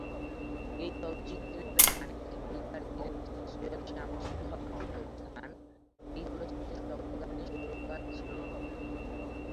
এই চলচ্চিত্রের গানের গীতিকার ছিলেন সৈয়দ শামসুল হক আলম খান এই চলচ্চিত্রের সকল গানের সুরকার ছিলেন।